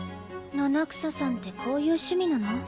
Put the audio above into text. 七草さんってこういう趣味なの？